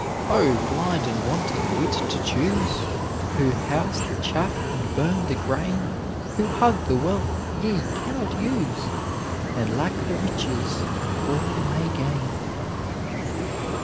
"Oh! blind and wanting wit to choose, Who house the chaff and burn the grain; Who hug the wealth ye cannot use, And lack the riches all may gain."